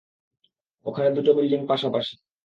ওখানে দুটো বিল্ডিং পাশাপাশি।